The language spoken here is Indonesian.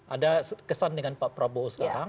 ada kesan dengan pak prabowo sekarang